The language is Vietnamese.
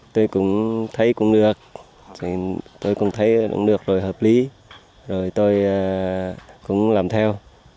tôi cũng thấy cũng được tôi cũng thấy cũng được rồi hợp lý rồi tôi cũng làm theo